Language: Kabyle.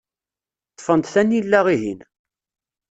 Ṭṭfent tanila-ihin.